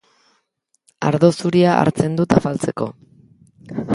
Ardo zuria hartzen dut afaltzeko.